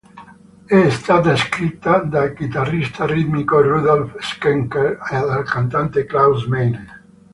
È stata scritta dal chitarrista ritmico Rudolf Schenker e dal cantante Klaus Meine.